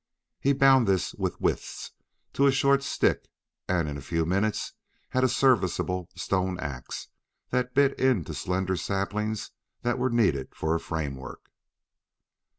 He bound this with withes to a short stick and in a few minutes had a serviceable stone ax that bit into slender saplings that were needed for a framework.